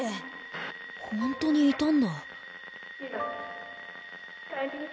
本当にいたんだ。